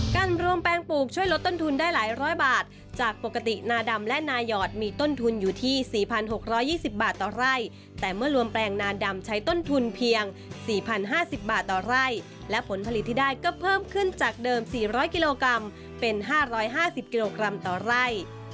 การรวมแปลงปลูกช่วยลดต้นทุนได้หลายร้อยบาทจากปกตินาดำและนายอดมีต้นทุนอยู่ที่๔๖๒๐บาทต่อไร่แต่เมื่อรวมแปลงนาดำใช้ต้นทุนเพียง๔๐๕๐บาทต่อไร่และผลผลิตที่ได้ก็เพิ่มขึ้นจากเดิม๔๐๐กิโลกรัมเป็น๕๕๐กิโลกรัมต่อไร่